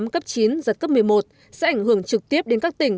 cấp chín giật cấp một mươi một sẽ ảnh hưởng trực tiếp đến các tỉnh